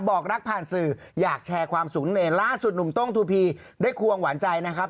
บอกรักผ่านสื่ออยากแชร์ความสูงเนรล่าสุดหนุ่มโต้งทูพีได้ควงหวานใจนะครับ